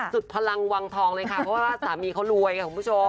สุดพลังวังทองเลยค่ะเพราะว่าสามีเขารวยค่ะคุณผู้ชม